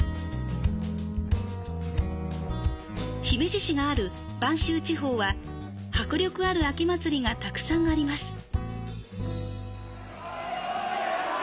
姫路市がある播州地方は、迫力ある秋祭りがたくさんあります。